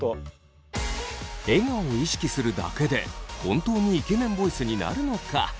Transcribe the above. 笑顔を意識するだけで本当にイケメンボイスになるのか。